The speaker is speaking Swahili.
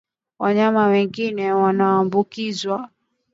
Wanyama wengine wanaoambukizwa